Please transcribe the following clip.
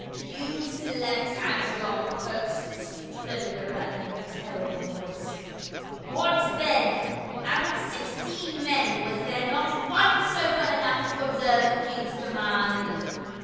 "You slept at your posts !" said Agrippa in a ter rible voice. "What then, out of sixteen men was there not one sober enough to observe the king's command?"